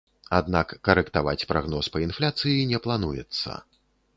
Аднак карэктаваць прагноз па інфляцыі не плануецца.